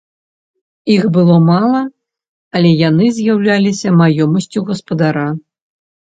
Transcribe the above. Іх было мала, але яны з'яўляліся маёмасцю гаспадара.